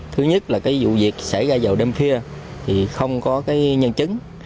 thứ nhất là cái vụ việc xảy ra vào đêm khuya thì không có cái nhân chứng